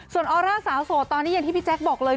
ส่วนออร่าสาวโสดตอนนี้อย่างที่พี่แจ๊คบอกเลย